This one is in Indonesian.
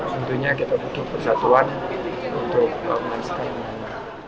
tentunya kita butuh persatuan untuk membangun sekalian